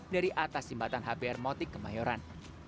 dari atas jembatan hbr moti kemayoran